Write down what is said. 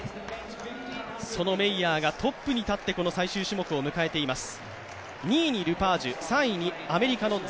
そのメイヤーがトップに立って、この最終種目を迎えています。